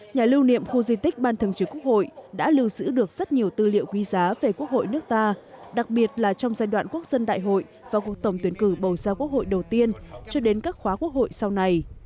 nhà lưu niệm khu di tích ban thường trực quốc hội đã lưu giữ được rất nhiều tư liệu quý giá về quốc hội nước ta đặc biệt là trong giai đoạn quốc dân đại hội và cuộc tổng tuyển cử bầu ra quốc hội đầu tiên cho đến các khóa quốc hội sau này